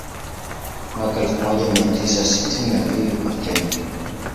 Mwaka elfu moja mia tisa sitini na mbili Kapteni